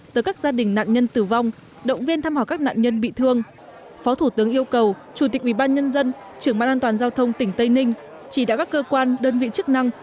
từ các gia đình nạn nhân tử vong động viên thăm hỏi các nạn nhân bị thương phó thủ tướng yêu cầu chủ tịch ủy ban nhân dân trưởng ban an toàn giao thông tỉnh tây ninh chỉ đạo các cơ quan đơn vị chức năng